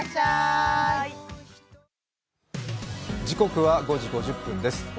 時刻は５時５０分です。